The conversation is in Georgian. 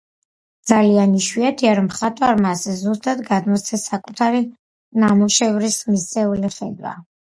ძალიან იშვიათია, რომ მხატვარმა ასე ზუსტად გადმოსცეს საკუთარი ნამუშევრის მისეული ხედვა.